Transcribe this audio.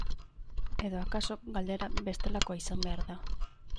Edo akaso galdera bestelakoa izan behar da.